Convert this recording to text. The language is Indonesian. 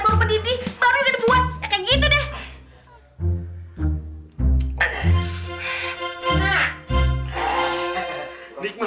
air baru pendidik baru udah dibuat